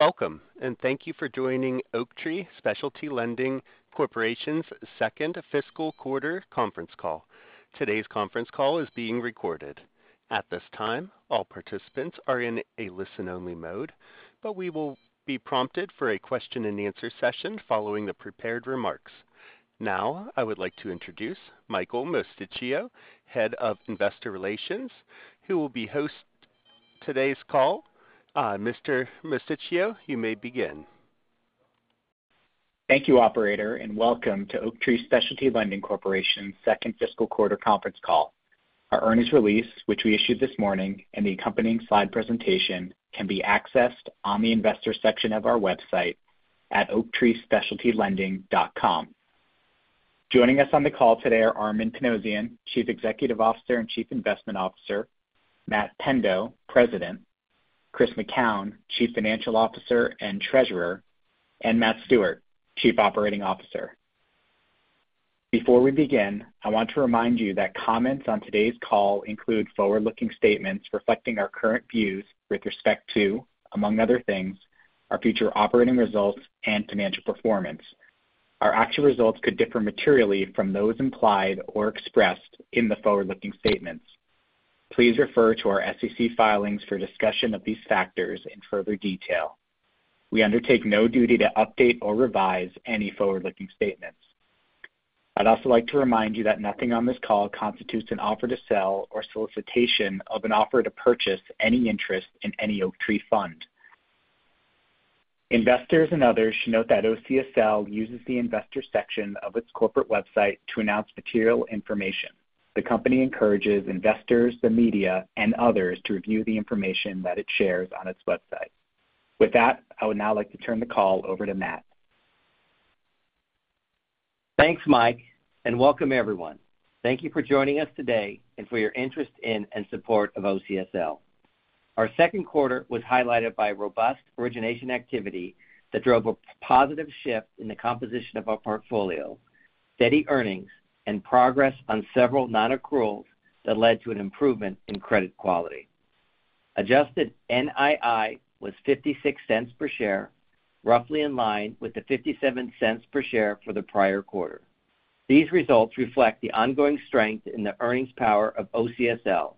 Welcome, and thank you for joining Oaktree Specialty Lending Corporation's second fiscal quarter conference call. Today's conference call is being recorded. At this time, all participants are in a listen-only mode, but we will be prompted for a question-and-answer session following the prepared remarks. Now I would like to introduce Michael Mosticchio, Head of Investor Relations, who will be hosting today's call. Mr. Mosticchio, you may begin. Thank you, Operator, and welcome to Oaktree Specialty Lending Corporation's second fiscal quarter conference call. Our earnings release, which we issued this morning, and the accompanying slide presentation can be accessed on the investor section of our website at oaktreespecialtylending.com. Joining us on the call today are Armen Panossian, Chief Executive Officer and Chief Investment Officer, Matt Pendo, President, Chris McKown, Chief Financial Officer and Treasurer, and Matt Stewart, Chief Operating Officer. Before we begin, I want to remind you that comments on today's call include forward-looking statements reflecting our current views with respect to, among other things, our future operating results and financial performance. Our actual results could differ materially from those implied or expressed in the forward-looking statements. Please refer to our SEC filings for discussion of these factors in further detail. We undertake no duty to update or revise any forward-looking statements. I'd also like to remind you that nothing on this call constitutes an offer to sell or solicitation of an offer to purchase any interest in any Oaktree fund. Investors and others should note that OCSL uses the investor section of its corporate website to announce material information. The company encourages investors, the media, and others to review the information that it shares on its website. With that, I would now like to turn the call over to Matt. Thanks, Mike, and welcome everyone. Thank you for joining us today and for your interest in and support of OCSL. Our second quarter was highlighted by robust origination activity that drove a positive shift in the composition of our portfolio, steady earnings, and progress on several non-accruals that led to an improvement in credit quality. Adjusted NII was $0.56 per share, roughly in line with the $0.57 per share for the prior quarter. These results reflect the ongoing strength in the earnings power of OCSL,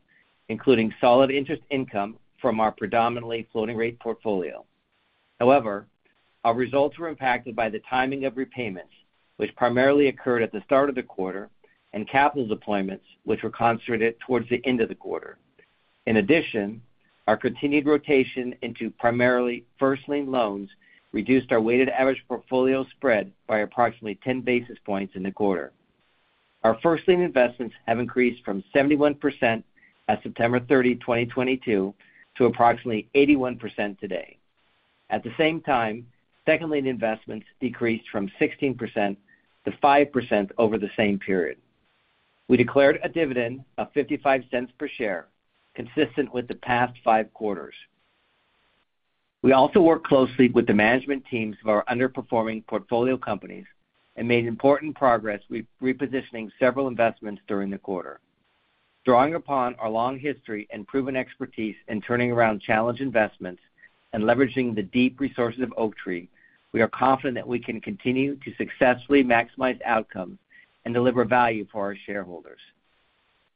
including solid interest income from our predominantly floating-rate portfolio. However, our results were impacted by the timing of repayments, which primarily occurred at the start of the quarter, and capital deployments, which were concentrated towards the end of the quarter. In addition, our continued rotation into primarily first lien loans reduced our weighted average portfolio spread by approximately 10 basis points in the quarter. Our first lien investments have increased from 71% as of September 30, 2022, to approximately 81% today. At the same time, second lien investments decreased from 16%-5% over the same period. We declared a dividend of $0.55 per share, consistent with the past five quarters. We also worked closely with the management teams of our underperforming portfolio companies and made important progress repositioning several investments during the quarter. Drawing upon our long history and proven expertise in turning around challenged investments and leveraging the deep resources of Oaktree, we are confident that we can continue to successfully maximize outcomes and deliver value for our shareholders.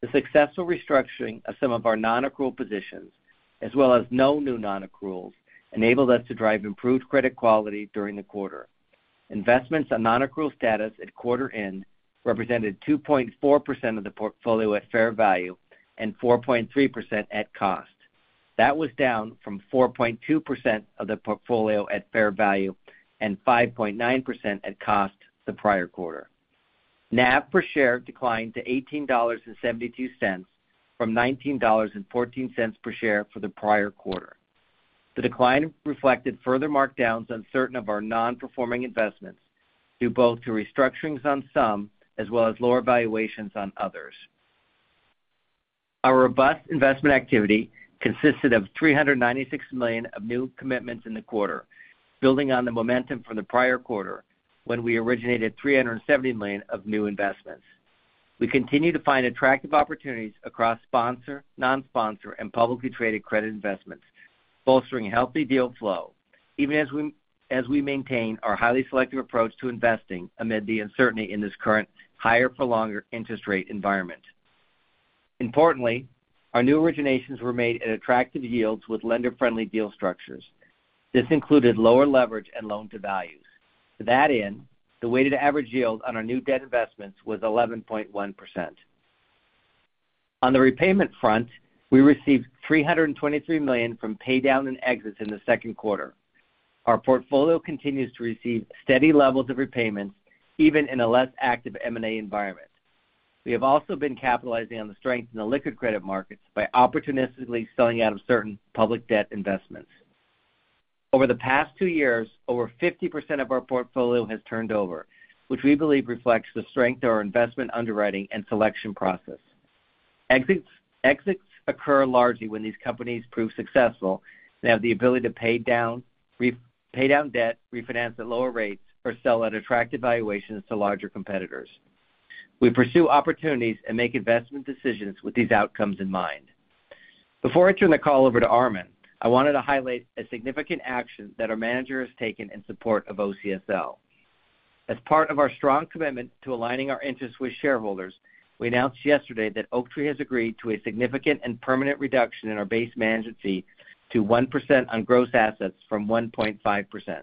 The successful restructuring of some of our non-accrual positions, as well as no new non-accruals, enabled us to drive improved credit quality during the quarter. Investments on non-accrual status at quarter end represented 2.4% of the portfolio at fair value and 4.3% at cost. That was down from 4.2% of the portfolio at fair value and 5.9% at cost the prior quarter. NAV per share declined to $18.72 from $19.14 per share for the prior quarter. The decline reflected further markdowns on certain of our non-performing investments, due both to restructurings on some as well as lower valuations on others. Our robust investment activity consisted of $396 million of new commitments in the quarter, building on the momentum from the prior quarter when we originated $370 million of new investments. We continue to find attractive opportunities across sponsor, non-sponsor, and publicly traded credit investments, bolstering healthy deal flow, even as we maintain our highly selective approach to investing amid the uncertainty in this current higher-for-longer interest rate environment. Importantly, our new originations were made at attractive yields with lender-friendly deal structures. This included lower leverage and loan-to-values. To that end, the weighted average yield on our new debt investments was 11.1%. On the repayment front, we received $323 million from paydown and exits in the second quarter. Our portfolio continues to receive steady levels of repayments, even in a less active M&A environment. We have also been capitalizing on the strength in the liquid credit markets by opportunistically selling out of certain public debt investments. Over the past two years, over 50% of our portfolio has turned over, which we believe reflects the strength of our investment underwriting and selection process. Exits occur largely when these companies prove successful and have the ability to pay down debt, refinance at lower rates, or sell at attractive valuations to larger competitors. We pursue opportunities and make investment decisions with these outcomes in mind. Before I turn the call over to Armen, I wanted to highlight a significant action that our manager has taken in support of OCSL. As part of our strong commitment to aligning our interests with shareholders, we announced yesterday that Oaktree has agreed to a significant and permanent reduction in our base management fee to 1% on gross assets from 1.5%.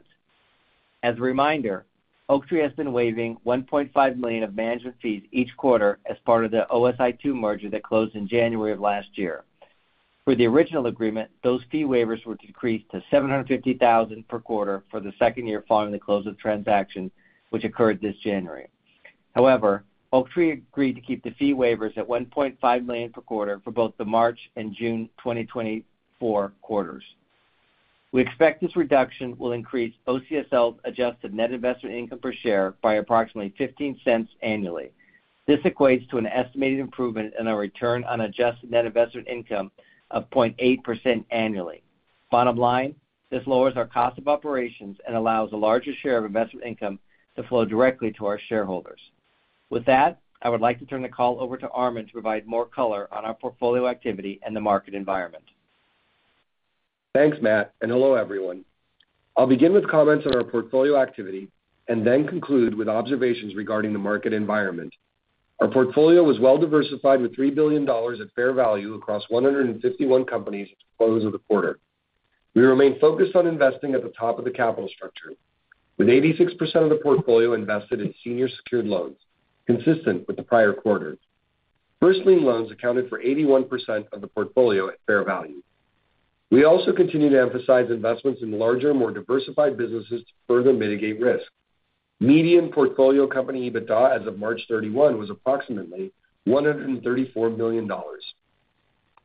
As a reminder, Oaktree has been waiving $1.5 million of management fees each quarter as part of the OSI II merger that closed in January of last year. For the original agreement, those fee waivers were decreased to $750,000 per quarter for the second year following the close of the transaction, which occurred this January. However, Oaktree agreed to keep the fee waivers at $1.5 million per quarter for both the March and June 2024 quarters. We expect this reduction will increase OCSL's adjusted net investment income per share by approximately $0.15 annually. This equates to an estimated improvement in our return on adjusted net investment income of 0.8% annually. Bottom line, this lowers our cost of operations and allows a larger share of investment income to flow directly to our shareholders. With that, I would like to turn the call over to Armen to provide more color on our portfolio activity and the market environment. Thanks, Matt, and hello everyone. I'll begin with comments on our portfolio activity and then conclude with observations regarding the market environment. Our portfolio was well diversified with $3 billion at fair value across 151 companies at the close of the quarter. We remain focused on investing at the top of the capital structure, with 86% of the portfolio invested in senior-secured loans, consistent with the prior quarter. First lien loans accounted for 81% of the portfolio at fair value. We also continue to emphasize investments in larger, more diversified businesses to further mitigate risk. Median portfolio company EBITDA as of March 31 was approximately $134 million,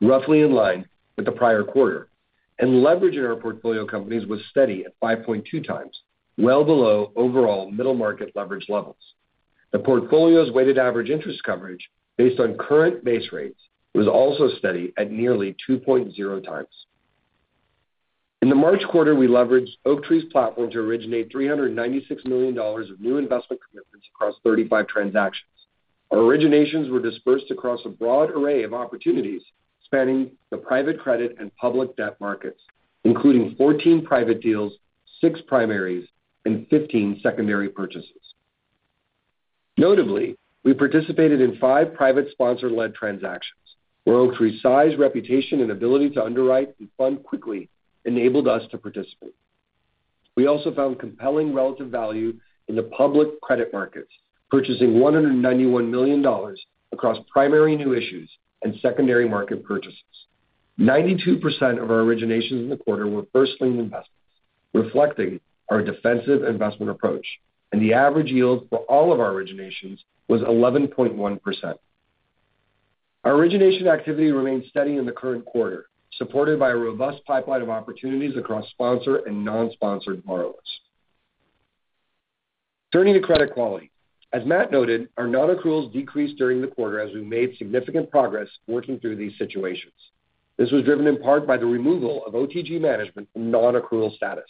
roughly in line with the prior quarter, and leverage in our portfolio companies was steady at 5.2x, well below overall middle-market leverage levels. The portfolio's weighted average interest coverage, based on current base rates, was also steady at nearly 2.0x. In the March quarter, we leveraged Oaktree's platform to originate $396 million of new investment commitments across 35 transactions. Our originations were dispersed across a broad array of opportunities spanning the private credit and public debt markets, including 14 private deals, six primaries, and 15 secondary purchases. Notably, we participated in five private sponsor-led transactions, where Oaktree's size, reputation, and ability to underwrite and fund quickly enabled us to participate. We also found compelling relative value in the public credit markets, purchasing $191 million across primary new issues and secondary market purchases. 92% of our originations in the quarter were first lien investments, reflecting our defensive investment approach, and the average yield for all of our originations was 11.1%. Our origination activity remained steady in the current quarter, supported by a robust pipeline of opportunities across sponsor and non-sponsored borrowers. Turning to credit quality. As Matt noted, our non-accruals decreased during the quarter as we made significant progress working through these situations. This was driven in part by the removal of OTG Management from non-accrual status.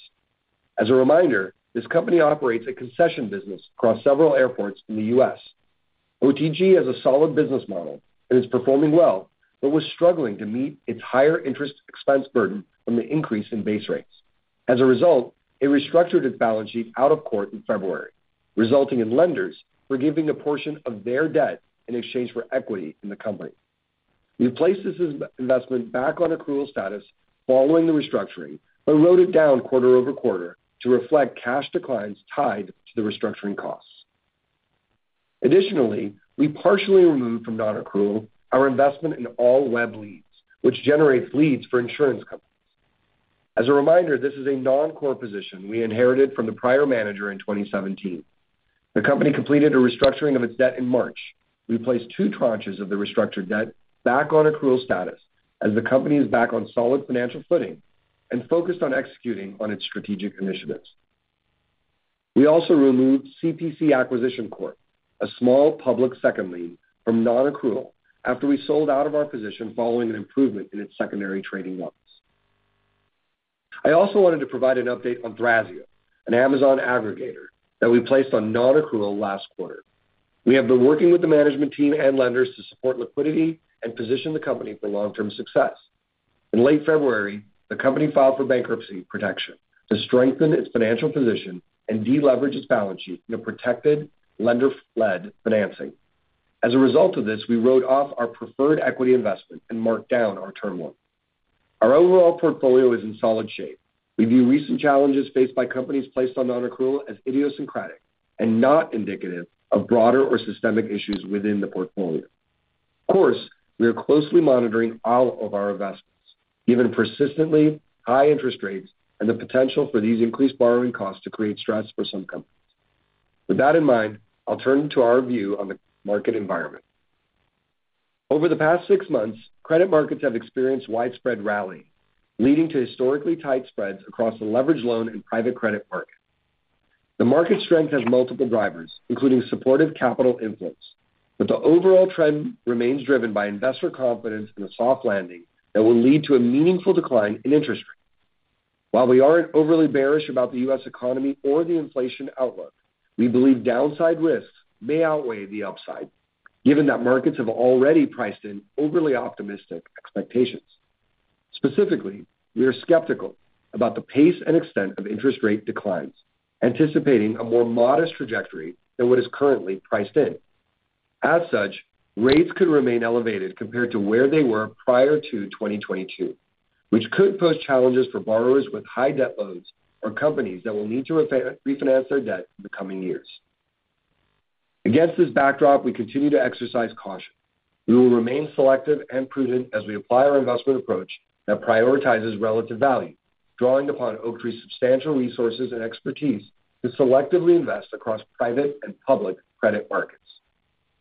As a reminder, this company operates a concession business across several airports in the U.S. OTG has a solid business model and is performing well but was struggling to meet its higher interest expense burden from the increase in base rates. As a result, it restructured its balance sheet out of court in February, resulting in lenders forgiving a portion of their debt in exchange for equity in the company. We placed this investment back on accrual status following the restructuring but wrote it down quarter over quarter to reflect cash declines tied to the restructuring costs. Additionally, we partially removed from non-accrual our investment in All Web Leads, which generates leads for insurance companies. As a reminder, this is a non-core position we inherited from the prior manager in 2017. The company completed a restructuring of its debt in March. We placed two tranches of the restructured debt back on accrual status as the company is back on solid financial footing and focused on executing on its strategic initiatives. We also removed CPC Acquisition Corp, a small public second lien, from non-accrual after we sold out of our position following an improvement in its secondary trading loans. I also wanted to provide an update on Thrasio, an Amazon aggregator, that we placed on non-accrual last quarter. We have been working with the management team and lenders to support liquidity and position the company for long-term success. In late February, the company filed for bankruptcy protection to strengthen its financial position and de-leverage its balance sheet in a protected lender-led financing. As a result of this, we wrote off our preferred equity investment and marked down our term loan. Our overall portfolio is in solid shape. We view recent challenges faced by companies placed on non-accrual as idiosyncratic and not indicative of broader or systemic issues within the portfolio. Of course, we are closely monitoring all of our investments, given persistently high interest rates and the potential for these increased borrowing costs to create stress for some companies. With that in mind, I'll turn to our view on the market environment. Over the past six months, credit markets have experienced widespread rally, leading to historically tight spreads across the leveraged loan and private credit market. The market strength has multiple drivers, including supportive capital influence, but the overall trend remains driven by investor confidence in a soft landing that will lead to a meaningful decline in interest rates. While we aren't overly bearish about the U.S. economy or the inflation outlook, we believe downside risks may outweigh the upside, given that markets have already priced in overly optimistic expectations. Specifically, we are skeptical about the pace and extent of interest rate declines, anticipating a more modest trajectory than what is currently priced in. As such, rates could remain elevated compared to where they were prior to 2022, which could pose challenges for borrowers with high debt loads or companies that will need to refinance their debt in the coming years. Against this backdrop, we continue to exercise caution. We will remain selective and prudent as we apply our investment approach that prioritizes relative value, drawing upon Oaktree's substantial resources and expertise to selectively invest across private and public credit markets.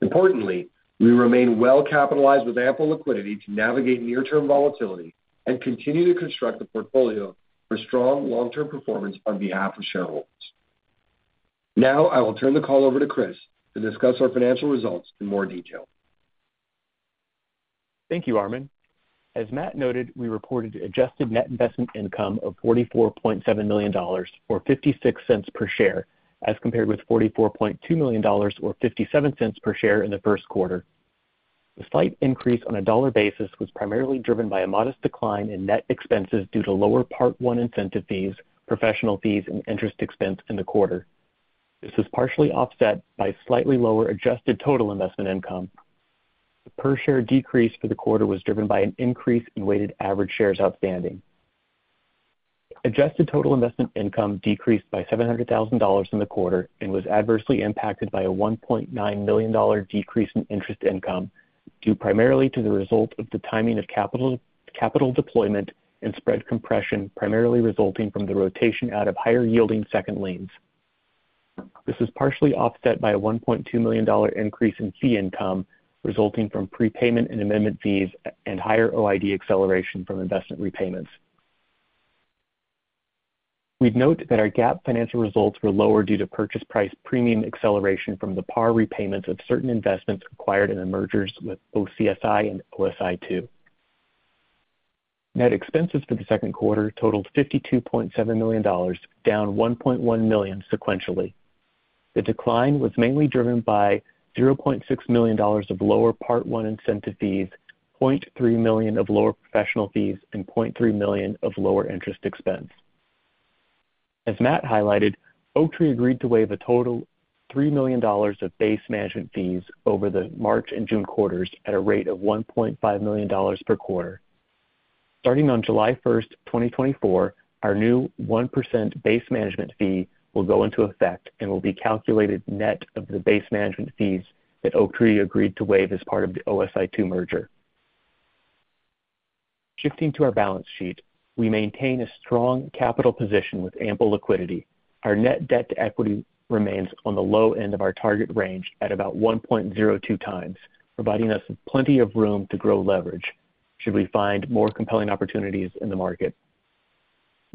Importantly, we remain well capitalized with ample liquidity to navigate near-term volatility and continue to construct a portfolio for strong long-term performance on behalf of shareholders. Now, I will turn the call over to Chris to discuss our financial results in more detail. Thank you, Armen. As Matt noted, we reported adjusted net investment income of $44.7 million or $0.56 per share as compared with $44.2 million or $0.57 per share in the first quarter. The slight increase on a dollar basis was primarily driven by a modest decline in net expenses due to lower Part one incentive fees, professional fees, and interest expense in the quarter. This was partially offset by slightly lower adjusted total investment income. The per-share decrease for the quarter was driven by an increase in weighted average shares outstanding. Adjusted total investment income decreased by $700,000 in the quarter and was adversely impacted by a $1.9 million decrease in interest income due primarily to the result of the timing of capital deployment and spread compression primarily resulting from the rotation out of higher-yielding second liens. This was partially offset by a $1.2 million increase in fee income resulting from prepayment and amendment fees and higher OID acceleration from investment repayments. We'd note that our GAAP financial results were lower due to purchase price premium acceleration from the par repayments of certain investments acquired in the mergers with both OCSI and OSI2. Net expenses for the second quarter totaled $52.7 million, down $1.1 million sequentially. The decline was mainly driven by $0.6 million of lower part one incentive fees, $0.3 million of lower professional fees, and $0.3 million of lower interest expense. As Matt highlighted, Oaktree agreed to waive a total of $3 million of base management fees over the March and June quarters at a rate of $1.5 million per quarter. Starting on July 1st, 2024, our new 1% base management fee will go into effect and will be calculated net of the base management fees that Oaktree agreed to waive as part of the OSI2 merger. Shifting to our balance sheet, we maintain a strong capital position with ample liquidity. Our net debt to equity remains on the low end of our target range at about 1.02x, providing us with plenty of room to grow leverage should we find more compelling opportunities in the market.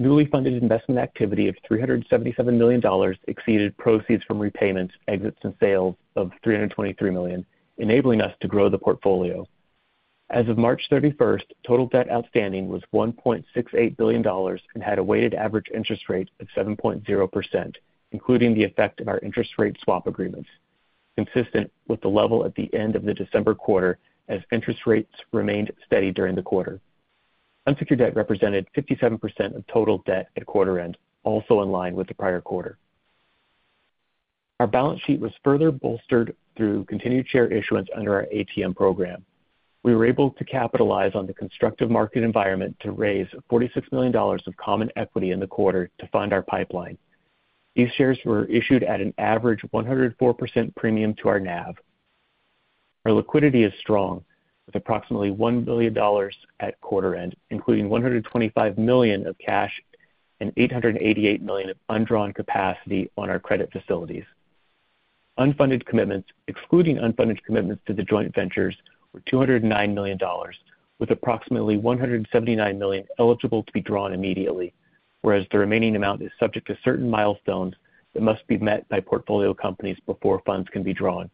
Newly funded investment activity of $377 million exceeded proceeds from repayments, exits, and sales of $323 million, enabling us to grow the portfolio. As of March 31st, total debt outstanding was $1.68 billion and had a weighted average interest rate of 7.0%, including the effect of our interest rate swap agreements, consistent with the level at the end of the December quarter as interest rates remained steady during the quarter. Unsecured debt represented 57% of total debt at quarter end, also in line with the prior quarter. Our balance sheet was further bolstered through continued share issuance under our ATM program. We were able to capitalize on the constructive market environment to raise $46 million of common equity in the quarter to fund our pipeline. These shares were issued at an average 104% premium to our NAV. Our liquidity is strong with approximately $1 billion at quarter end, including $125 million of cash and $888 million of undrawn capacity on our credit facilities. Unfunded commitments, excluding unfunded commitments to the joint ventures, were $209 million, with approximately $179 million eligible to be drawn immediately, whereas the remaining amount is subject to certain milestones that must be met by portfolio companies before funds can be drawn.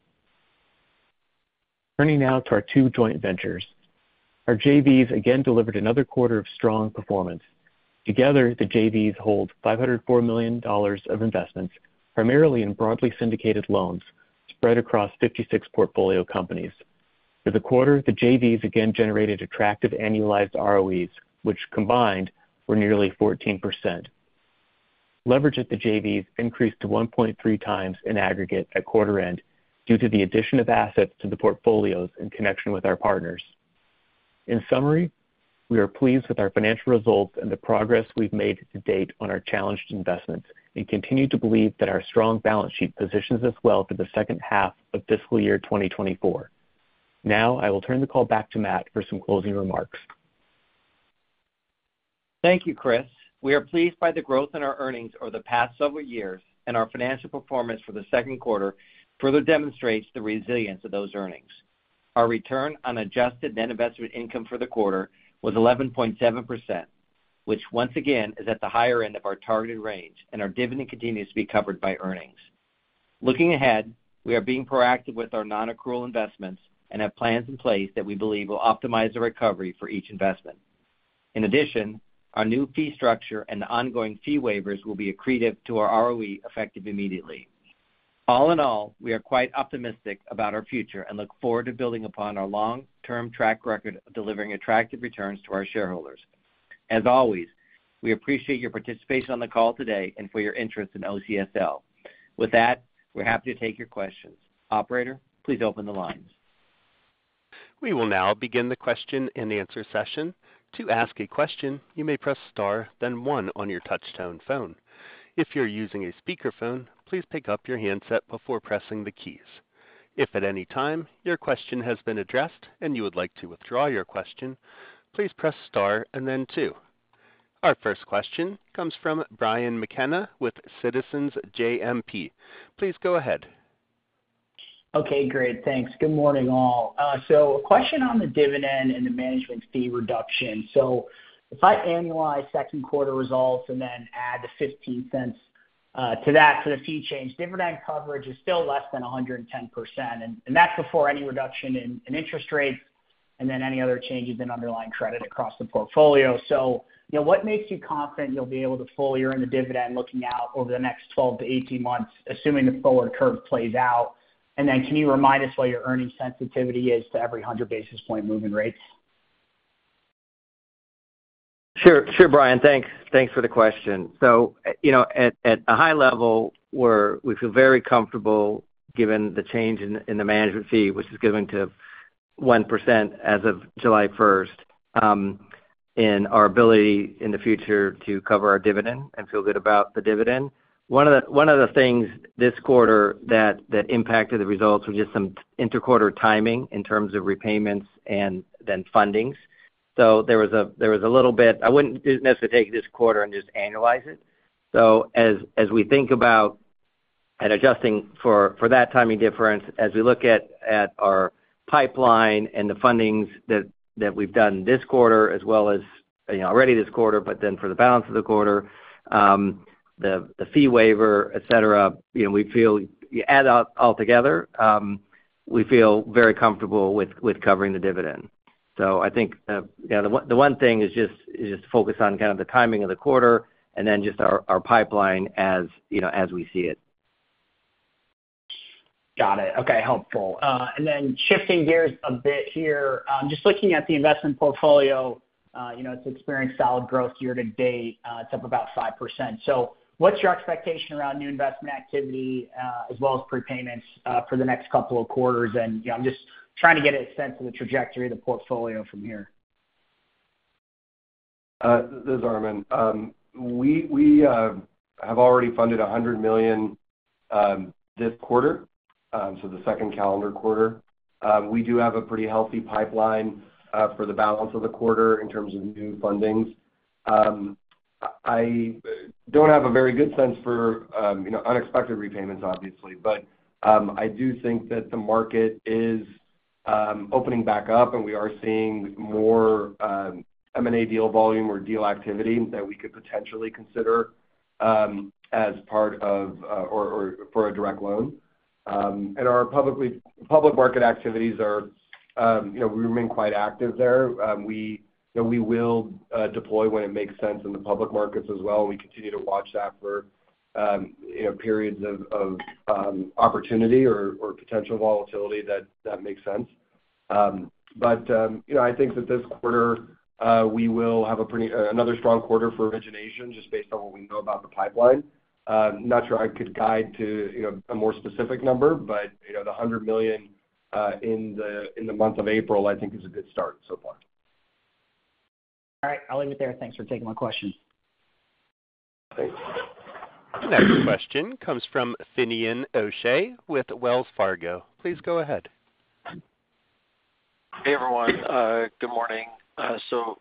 Turning now to our two joint ventures. Our JVs again delivered another quarter of strong performance. Together, the JVs hold $504 million of investments, primarily in broadly syndicated loans spread across 56 portfolio companies. For the quarter, the JVs again generated attractive annualized ROEs, which combined were nearly 14%. Leverage at the JVs increased to 1.3x in aggregate at quarter end due to the addition of assets to the portfolios in connection with our partners. In summary, we are pleased with our financial results and the progress we've made to date on our challenged investments and continue to believe that our strong balance sheet positions us well for the second half of fiscal year 2024. Now, I will turn the call back to Matt for some closing remarks. Thank you, Chris. We are pleased by the growth in our earnings over the past several years, and our financial performance for the second quarter further demonstrates the resilience of those earnings. Our return on adjusted net investment income for the quarter was 11.7%, which once again is at the higher end of our targeted range, and our dividend continues to be covered by earnings. Looking ahead, we are being proactive with our non-accrual investments and have plans in place that we believe will optimize the recovery for each investment. In addition, our new fee structure and the ongoing fee waivers will be accretive to our ROE effective immediately. All in all, we are quite optimistic about our future and look forward to building upon our long-term track record of delivering attractive returns to our shareholders. As always, we appreciate your participation on the call today and for your interest in OCSL. With that, we're happy to take your questions. Operator, please open the lines. We will now begin the question and answer session. To ask a question, you may press star, then one on your touch-tone phone. If you're using a speakerphone, please pick up your handset before pressing the keys. If at any time your question has been addressed and you would like to withdraw your question, please press star and then two. Our first question comes from Brian McKenna with Citizens JMP. Please go ahead. Okay. Great. Thanks. Good morning, all. So a question on the dividend and the management fee reduction. So if I annualize second quarter results and then add the $0.15 to that for the fee change, dividend coverage is still less than 110%, and that's before any reduction in interest rates and then any other changes in underlying credit across the portfolio. So what makes you confident you'll be able to fully earn the dividend looking out over the next 12-18 months, assuming the forward curve plays out? And then can you remind us what your earnings sensitivity is to every 100 basis point moving rate? Sure. Sure, Brian. Thanks. Thanks for the question. So at a high level, we feel very comfortable given the change in the management fee, which is giving to 1% as of July 1st, in our ability in the future to cover our dividend and feel good about the dividend. One of the things this quarter that impacted the results was just some interquarter timing in terms of repayments and then fundings. So there was a little bit I wouldn't necessarily take this quarter and just annualize it. So as we think about and adjusting for that timing difference, as we look at our pipeline and the fundings that we've done this quarter as well as already this quarter, but then for the balance of the quarter, the fee waiver, etc., we feel add all together, we feel very comfortable with covering the dividend. I think the one thing is just to focus on kind of the timing of the quarter and then just our pipeline as we see it. Got it. Okay. Helpful. And then shifting gears a bit here, just looking at the investment portfolio, it's experienced solid growth year to date. It's up about 5%. So what's your expectation around new investment activity as well as prepayments for the next couple of quarters? And I'm just trying to get a sense of the trajectory of the portfolio from here. This is Armen. We have already funded $100 million this quarter, so the second calendar quarter. We do have a pretty healthy pipeline for the balance of the quarter in terms of new fundings. I don't have a very good sense for unexpected repayments, obviously, but I do think that the market is opening back up, and we are seeing more M&A deal volume or deal activity that we could potentially consider as part of or for a direct loan. And our public market activities are we remain quite active there. We will deploy when it makes sense in the public markets as well, and we continue to watch that for periods of opportunity or potential volatility that makes sense. But I think that this quarter, we will have another strong quarter for origination just based on what we know about the pipeline. Not sure I could guide to a more specific number, but the $100 million in the month of April, I think, is a good start so far. All right. I'll leave it there. Thanks for taking my questions. Thanks. Next question comes from Finian O'Shea with Wells Fargo. Please go ahead. Hey, everyone. Good morning. So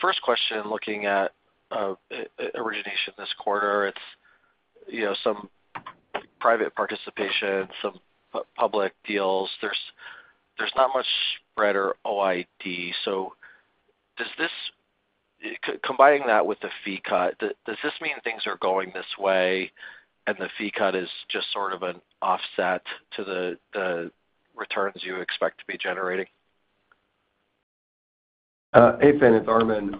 first question, looking at origination this quarter, it's some private participation, some public deals. There's not much spread or OID. So combining that with the fee cut, does this mean things are going this way and the fee cut is just sort of an offset to the returns you expect to be generating? Hey, Finn. It's Armen.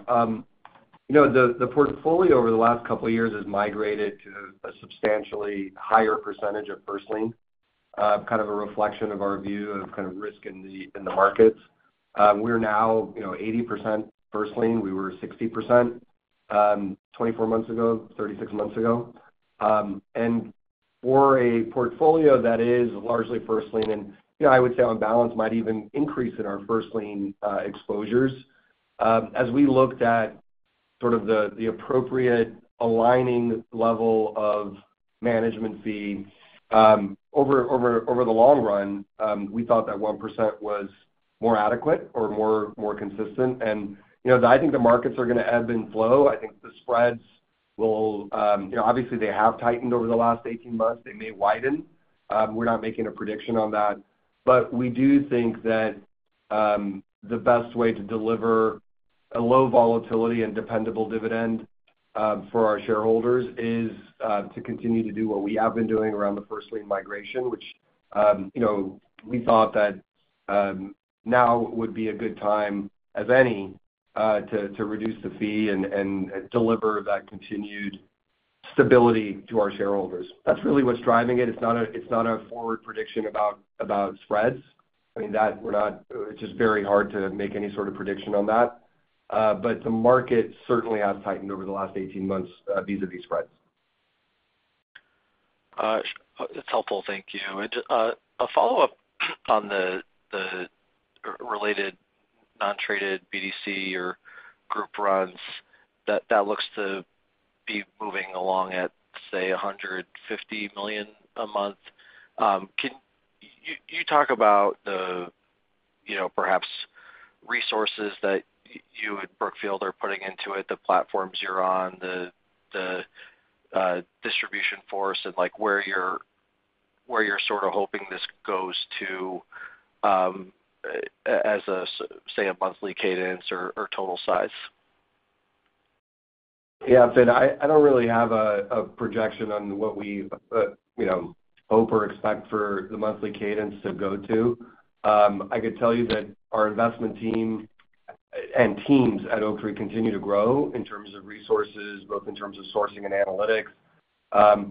The portfolio over the last couple of years has migrated to a substantially higher percentage of first lien, kind of a reflection of our view of kind of risk in the markets. We're now 80% first lien. We were 60% 24 months ago, 36 months ago. For a portfolio that is largely first lien and I would say on balance might even increase in our first lien exposures, as we looked at sort of the appropriate aligning level of management fee, over the long run, we thought that 1% was more adequate or more consistent. I think the markets are going to ebb and flow. I think the spreads will obviously, they have tightened over the last 18 months. They may widen. We're not making a prediction on that. But we do think that the best way to deliver a low volatility and dependable dividend for our shareholders is to continue to do what we have been doing around the first lien migration, which we thought that now would be a good time, if any, to reduce the fee and deliver that continued stability to our shareholders. That's really what's driving it. It's not a forward prediction about spreads. I mean, we're not it's just very hard to make any sort of prediction on that. But the market certainly has tightened over the last 18 months vis-à-vis spreads. It's helpful. Thank you. A follow-up on the related non-traded BDC or group runs, that looks to be moving along at, say, $150 million a month. Can you talk about the perhaps resources that you and Brookfield are putting into it, the platforms you're on, the distribution force, and where you're sort of hoping this goes to as a, say, a monthly cadence or total size? Yeah, Finn. I don't really have a projection on what we hope or expect for the monthly cadence to go to. I could tell you that our investment team and teams at Oaktree continue to grow in terms of resources, both in terms of sourcing and analytics.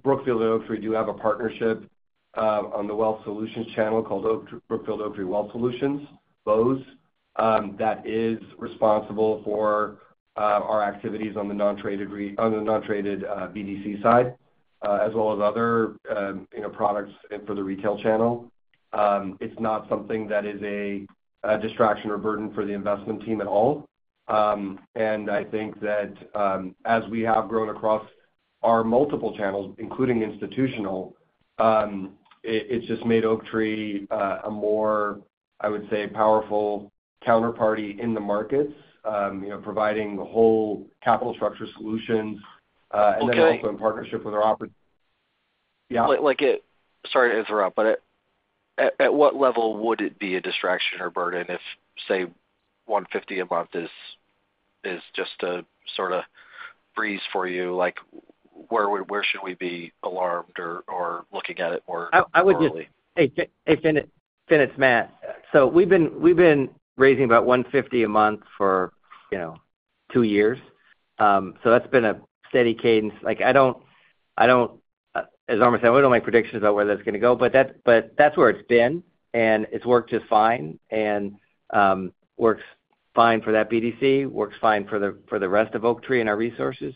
Brookfield and Oaktree do have a partnership on the Wealth Solutions channel called Brookfield Oaktree Wealth Solutions, BOWS, that is responsible for our activities on the non-traded BDC side as well as other products for the retail channel. It's not something that is a distraction or burden for the investment team at all. And I think that as we have grown across our multiple channels, including institutional, it's just made Oaktree a more, I would say, powerful counterparty in the markets, providing whole capital structure solutions and then also in partnership with our yeah. Sorry to interrupt, but at what level would it be a distraction or burden if, say, $150 a month is just a sort of breeze for you? Where should we be alarmed or looking at it more globally? I would just hey, Finn. It's Matt. So we've been raising about $150 a month for two years. So that's been a steady cadence. As Armen, I don't make predictions about where that's going to go, but that's where it's been, and it's worked just fine and works fine for that BDC, works fine for the rest of Oaktree and our resources.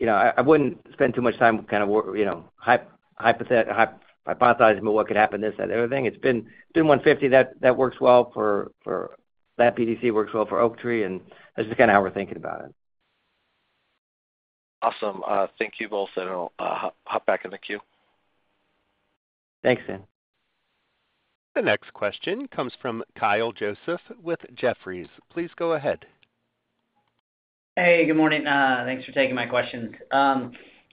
So I wouldn't spend too much time kind of hypothesizing about what could happen, this, that, the other thing. It's been $150. That works well for that BDC. It works well for Oaktree. And that's just kind of how we're thinking about it. Awesome. Thank you both. I'll hop back in the queue. Thanks, Finn. The next question comes from Kyle Joseph with Jefferies. Please go ahead. Hey. Good morning. Thanks for taking my questions.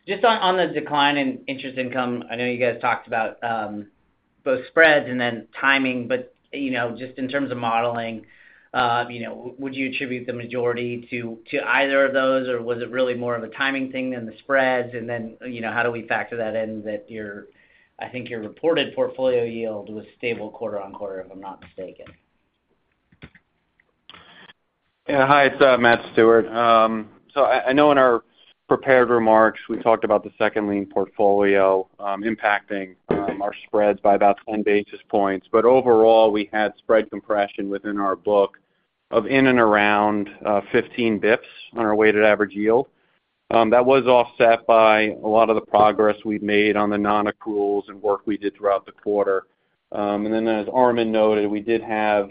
Just on the decline in interest income, I know you guys talked about both spreads and then timing, but just in terms of modeling, would you attribute the majority to either of those, or was it really more of a timing thing than the spreads? And then how do we factor that in that I think your reported portfolio yield was stable quarter on quarter, if I'm not mistaken? Yeah. Hi. It's Matt Stewart. So I know in our prepared remarks, we talked about the second lien portfolio impacting our spreads by about 10 basis points. But overall, we had spread compression within our book of in and around 15 basis points on our weighted average yield. That was offset by a lot of the progress we've made on the non-accruals and work we did throughout the quarter. And then as Armen noted, we did have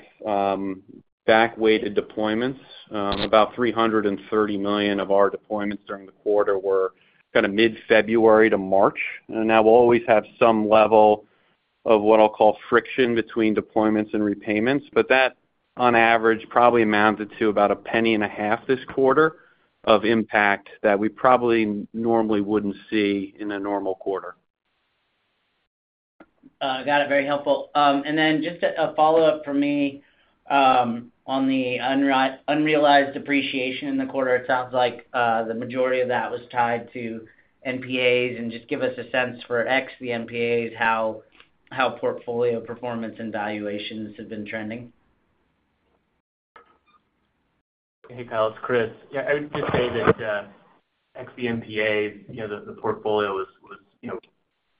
back-weighted deployments. About $330 million of our deployments during the quarter were kind of mid-February to March. And now we'll always have some level of what I'll call friction between deployments and repayments. But that, on average, probably amounted to about $0.015 this quarter of impact that we probably normally wouldn't see in a normal quarter. Got it. Very helpful. Just a follow-up from me on the unrealized depreciation in the quarter. It sounds like the majority of that was tied to NPAs. Just give us a sense for ex the NPAs, how portfolio performance and valuations have been trending. Hey, Kyle. It's Chris. Yeah. I would just say that X, the NPAs, the portfolio was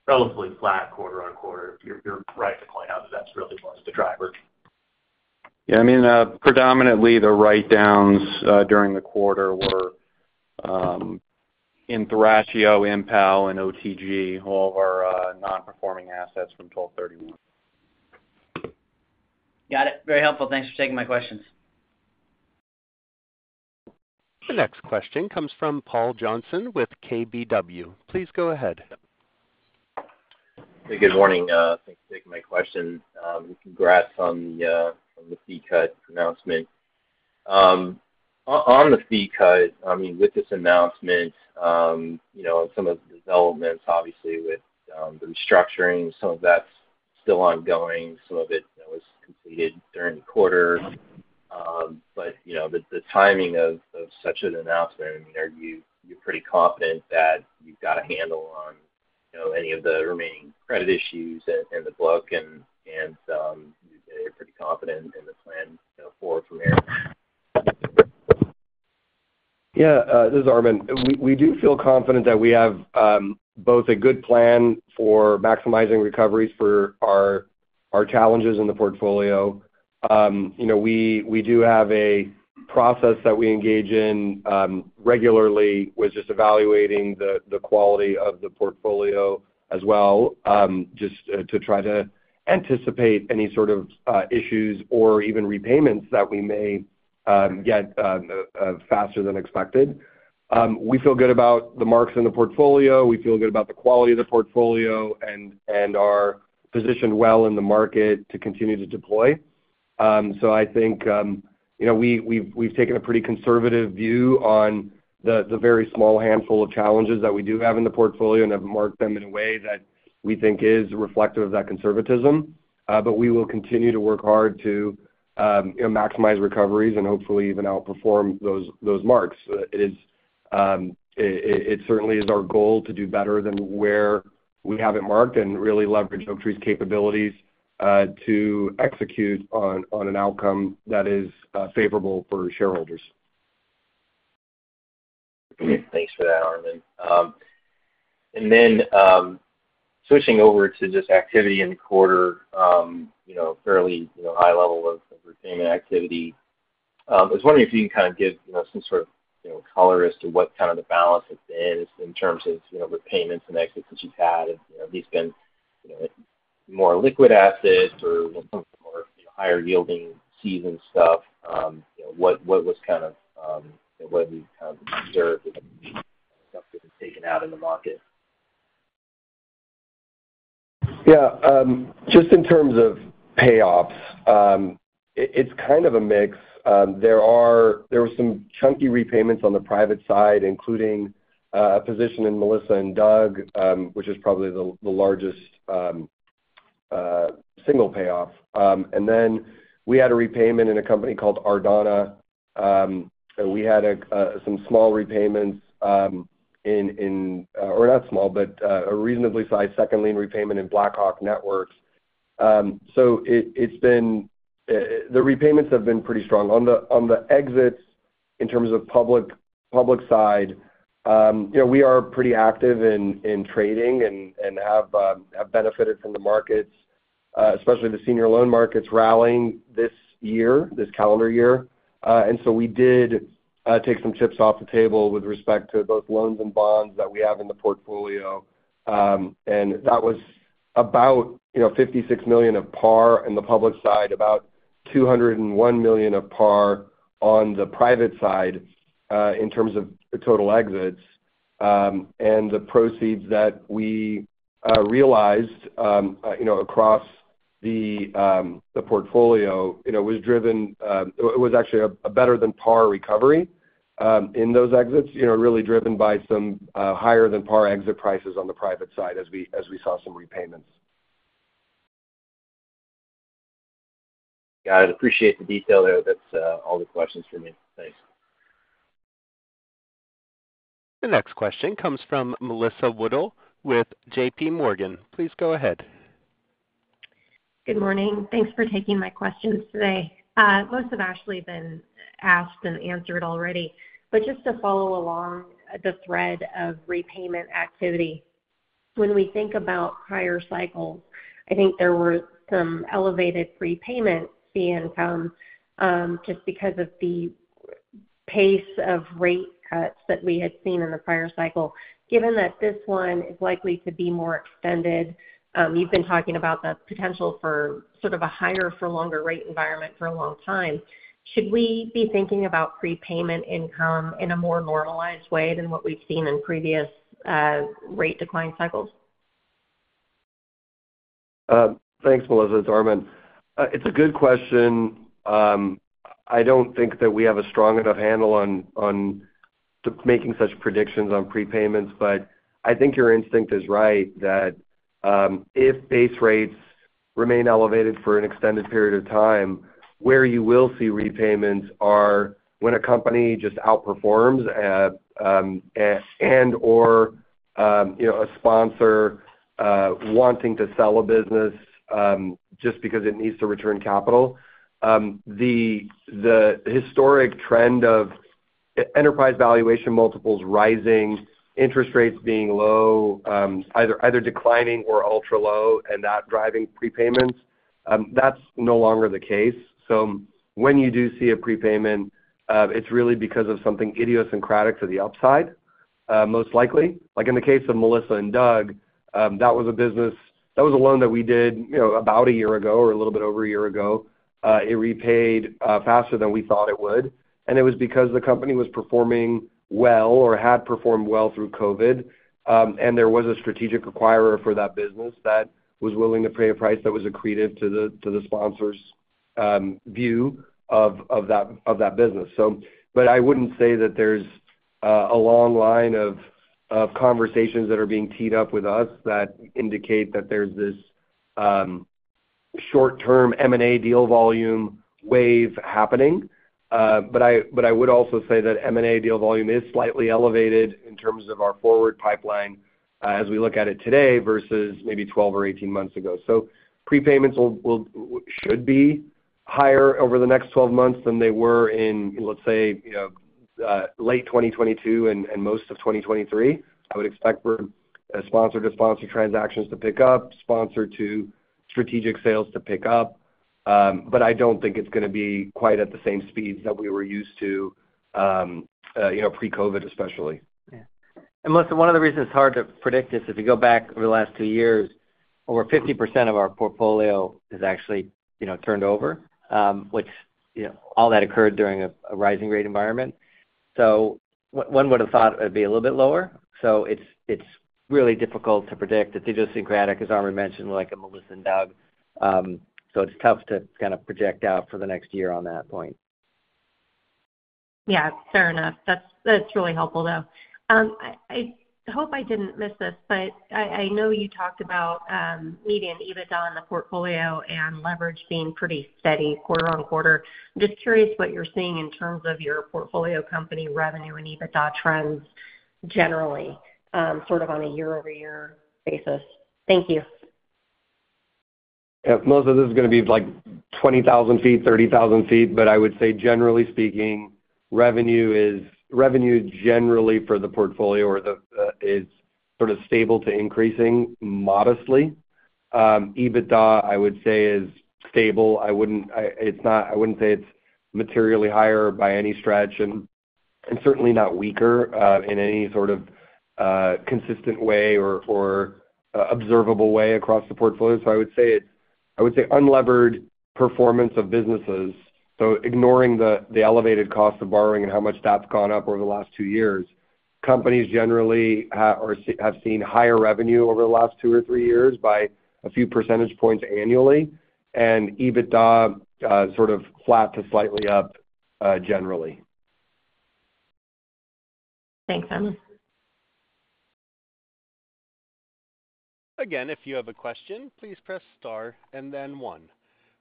relatively flat quarter-over-quarter. You're right to point out that that's really was the driver. Yeah. I mean, predominantly, the write-downs during the quarter were in Thrasio, Impel, and OTG, all of our non-performing assets from 12/31. Got it. Very helpful. Thanks for taking my questions. The next question comes from Paul Johnson with KBW. Please go ahead. Hey. Good morning. Thanks for taking my question. Congrats on the fee cut announcement. On the fee cut, I mean, with this announcement and some of the developments, obviously, with the restructuring, some of that's still ongoing. Some of it was completed during the quarter. But the timing of such an announcement, I mean, are you pretty confident that you've got a handle on any of the remaining credit issues in the book? And are you pretty confident in the plan forward from here? Yeah. This is Armen. We do feel confident that we have both a good plan for maximizing recoveries for our challenges in the portfolio. We do have a process that we engage in regularly with just evaluating the quality of the portfolio as well just to try to anticipate any sort of issues or even repayments that we may get faster than expected. We feel good about the marks in the portfolio. We feel good about the quality of the portfolio and are positioned well in the market to continue to deploy. So I think we've taken a pretty conservative view on the very small handful of challenges that we do have in the portfolio and have marked them in a way that we think is reflective of that conservatism. But we will continue to work hard to maximize recoveries and hopefully even outperform those marks. It certainly is our goal to do better than where we haven't marked and really leverage Oaktree's capabilities to execute on an outcome that is favorable for shareholders. Great. Thanks for that, Armen. And then switching over to just activity in the quarter, fairly high level of repayment activity. I was wondering if you can kind of give some sort of color as to what kind of the balance has been in terms of repayments and exits that you've had. Have these been more liquid assets or some of the more higher-yielding sized stuff? What have you kind of observed as stuff getting taken out in the market? Yeah. Just in terms of payoffs, it's kind of a mix. There were some chunky repayments on the private side, including a position in Melissa & Doug, which is probably the largest single payoff. And then we had a repayment in a company called Ardonagh. We had some small repayments in or not small, but a reasonably sized second lien repayment in Blackhawk Network. So the repayments have been pretty strong. On the exits, in terms of public side, we are pretty active in trading and have benefited from the markets, especially the senior loan markets rallying this year, this calendar year. And so we did take some chips off the table with respect to both loans and bonds that we have in the portfolio. That was about $56 million of par in the public side, about $201 million of par on the private side in terms of total exits. The proceeds that we realized across the portfolio was driven. It was actually a better-than-par recovery in those exits, really driven by some higher-than-par exit prices on the private side as we saw some repayments. Got it. Appreciate the detail there. That's all the questions for me. Thanks. The next question comes from Melissa Wedel with JP Morgan. Please go ahead. Good morning. Thanks for taking my questions today. Most of Ashley's been asked and answered already. But just to follow along the thread of repayment activity, when we think about prior cycles, I think there were some elevated repayment fee income just because of the pace of rate cuts that we had seen in the prior cycle. Given that this one is likely to be more extended - you've been talking about the potential for sort of a higher-for-longer rate environment for a long time - should we be thinking about prepayment income in a more normalized way than what we've seen in previous rate-decline cycles? Thanks, Melissa. It's Armen. It's a good question. I don't think that we have a strong enough handle on making such predictions on prepayments. But I think your instinct is right that if base rates remain elevated for an extended period of time, where you will see repayments are when a company just outperforms and/or a sponsor wanting to sell a business just because it needs to return capital. The historic trend of enterprise valuation multiples rising, interest rates being low, either declining or ultra-low, and that driving prepayments, that's no longer the case. So when you do see a prepayment, it's really because of something idiosyncratic to the upside, most likely. In the case of Melissa & Doug, that was a business that was a loan that we did about a year ago or a little bit over a year ago. It repaid faster than we thought it would. It was because the company was performing well or had performed well through COVID. There was a strategic acquirer for that business that was willing to pay a price that was accretive to the sponsor's view of that business. But I wouldn't say that there's a long line of conversations that are being teed up with us that indicate that there's this short-term M&A deal volume wave happening. But I would also say that M&A deal volume is slightly elevated in terms of our forward pipeline as we look at it today versus maybe 12 or 18 months ago. Prepayments should be higher over the next 12 months than they were in, let's say, late 2022 and most of 2023. I would expect sponsor-to-sponsor transactions to pick up, sponsor-to-strategic sales to pick up. But I don't think it's going to be quite at the same speeds that we were used to pre-COVID, especially. Yeah. And Melissa, one of the reasons it's hard to predict is if you go back over the last two years, over 50% of our portfolio has actually turned over, which all that occurred during a rising-rate environment. So one would have thought it'd be a little bit lower. So it's really difficult to predict. It's idiosyncratic, as Armen mentioned, like in Melissa & Doug. So it's tough to kind of project out for the next year on that point. Yeah. Fair enough. That's really helpful, though. I hope I didn't miss this, but I know you talked about median EBITDA on the portfolio and leverage being pretty steady quarter-over-quarter. I'm just curious what you're seeing in terms of your portfolio company revenue and EBITDA trends generally, sort of on a year-over-year basis. Thank you. Yeah. Melissa, this is going to be like 20,000 feet, 30,000 feet. But I would say, generally speaking, revenue generally for the portfolio is sort of stable to increasing modestly. EBITDA, I would say, is stable. I wouldn't say it's materially higher by any stretch and certainly not weaker in any sort of consistent way or observable way across the portfolio. So I would say it's unlevered performance of businesses. So ignoring the elevated cost of borrowing and how much that's gone up over the last 2 years, companies generally have seen higher revenue over the last 2 or 3 years by a few percentage points annually and EBITDA sort of flat to slightly up generally. Thanks, Armen. Again, if you have a question, please press star and then one.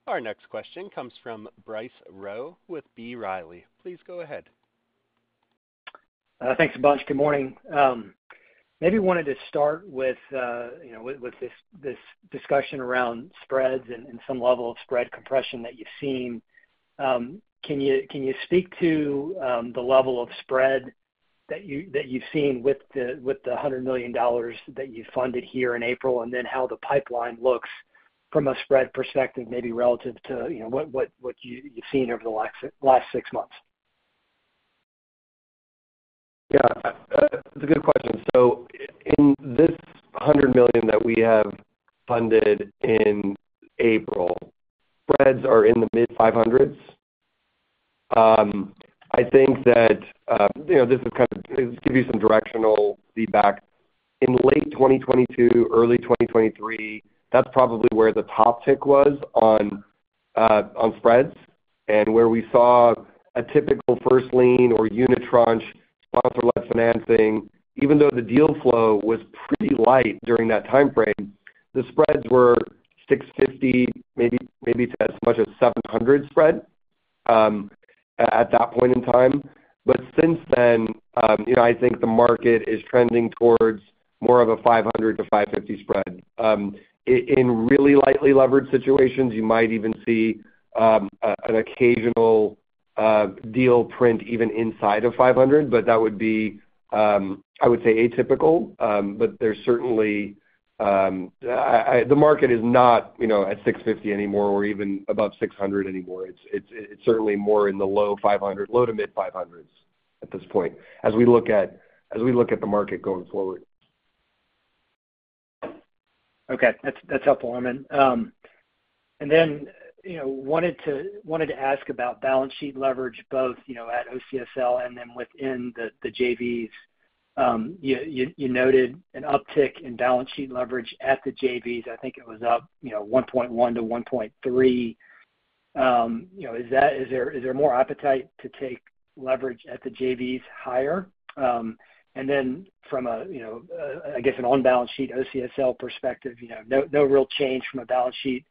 Our next question comes from Bryce Rowe with B. Riley. Please go ahead. Thanks a bunch. Good morning. Maybe wanted to start with this discussion around spreads and some level of spread compression that you've seen. Can you speak to the level of spread that you've seen with the $100 million that you funded here in April and then how the pipeline looks from a spread perspective, maybe relative to what you've seen over the last six months? Yeah. That's a good question. So in this $100 million that we have funded in April, spreads are in the mid-500s. I think that this is kind of to give you some directional feedback. In late 2022, early 2023, that's probably where the top tick was on spreads and where we saw a typical first lien or unitranche sponsor-led financing. Even though the deal flow was pretty light during that timeframe, the spreads were 650, maybe as much as 700 spread at that point in time. But since then, I think the market is trending towards more of a 500-550 spread. In really lightly leveraged situations, you might even see an occasional deal print even inside of 500, but that would be, I would say, atypical. But there's certainly the market is not at 650 anymore or even above 600 anymore. It's certainly more in the low 500, low to mid-500s at this point as we look at the market going forward. Okay. That's helpful, Armen. And then wanted to ask about balance sheet leverage both at OCSL and then within the JVs. You noted an uptick in balance sheet leverage at the JVs. I think it was up 1.1x-1.3x. Is there more appetite to take leverage at the JVs higher? And then from, I guess, an on-balance sheet OCSL perspective, no real change from a balance sheet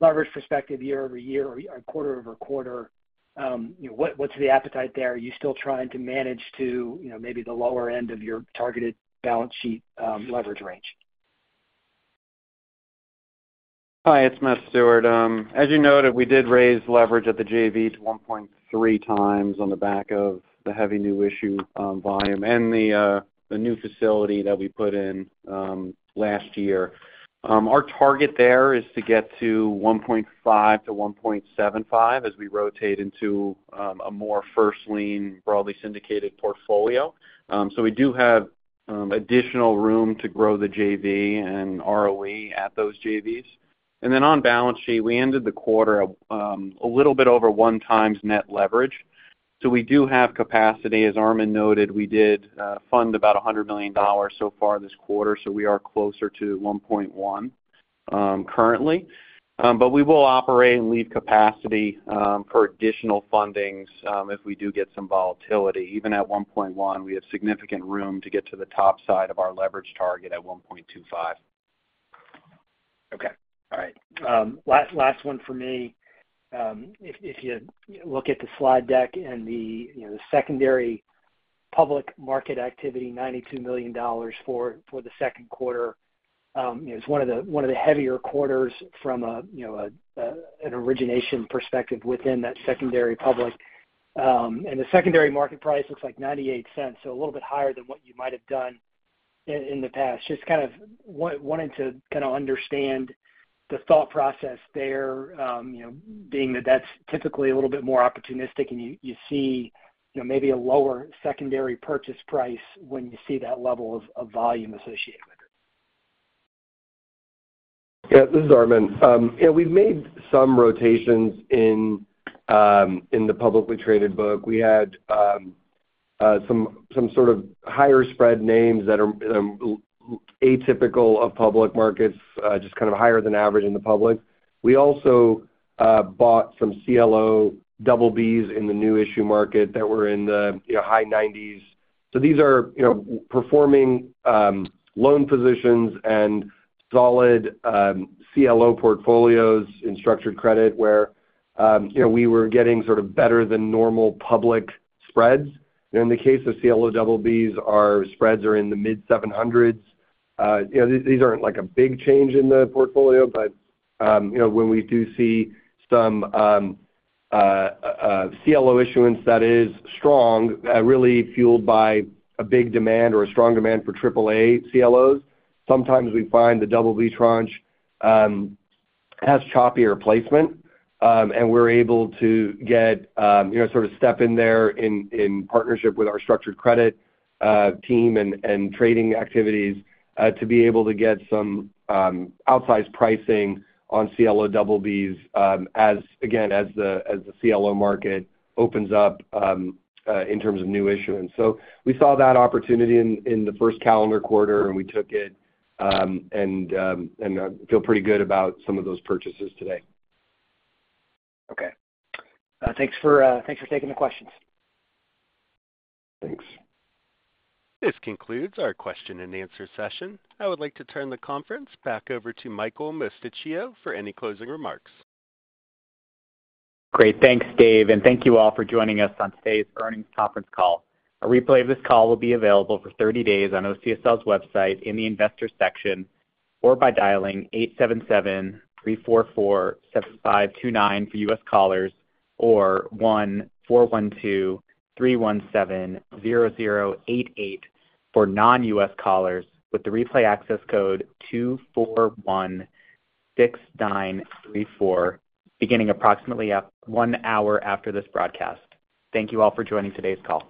leverage perspective year-over-year or quarter-over-quarter, what's the appetite there? Are you still trying to manage to maybe the lower end of your targeted balance sheet leverage range? Hi. It's Matt Stewart. As you noted, we did raise leverage at the JVs 1.3x on the back of the heavy new issue volume and the new facility that we put in last year. Our target there is to get to 1.5x-1.75x as we rotate into a more first lien, broadly syndicated portfolio. So we do have additional room to grow the JV and ROE at those JVs. And then on balance sheet, we ended the quarter a little bit over 1x net leverage. So we do have capacity. As Armen noted, we did fund about $100 million so far this quarter. So we are closer to 1.1x currently. But we will operate and leave capacity for additional fundings if we do get some volatility. Even at 1.1x, we have significant room to get to the top side of our leverage target at 1.25x. Okay. All right. Last one for me. If you look at the slide deck and the secondary public market activity, $92 million for the second quarter, it's one of the heavier quarters from an origination perspective within that secondary public. And the secondary market price looks like $0.98, so a little bit higher than what you might have done in the past. Just kind of wanted to kind of understand the thought process there, being that that's typically a little bit more opportunistic, and you see maybe a lower secondary purchase price when you see that level of volume associated with it. Yeah. This is Armen. We've made some rotations in the publicly traded book. We had some sort of higher spread names that are atypical of public markets, just kind of higher than average in the public. We also bought some CLO BBs in the new issue market that were in the high 90s. So these are performing loan positions and solid CLO portfolios in structured credit where we were getting sort of better-than-normal public spreads. In the case of CLO BBs, our spreads are in the mid-700s. These aren't a big change in the portfolio, but when we do see some CLO issuance that is strong, really fueled by a big demand or a strong demand for AAA CLOs, sometimes we find the BBB tranche has choppier placement. We're able to sort of step in there in partnership with our structured credit team and trading activities to be able to get some outsized pricing on CLO BBs, again, as the CLO market opens up in terms of new issuance. We saw that opportunity in the first calendar quarter, and we took it. I feel pretty good about some of those purchases today. Okay. Thanks for taking the questions. Thanks. This concludes our question-and-answer session. I would like to turn the conference back over to Michael Mosticchio for any closing remarks. Great. Thanks, Dave. Thank you all for joining us on today's earnings conference call. A replay of this call will be available for 30 days on OCSL's website in the investor section or by dialing 877-344-7529 for US callers or 1-412-317-0088 for non-US callers with the replay access code 2416934, beginning approximately 1 hour after this broadcast. Thank you all for joining today's call.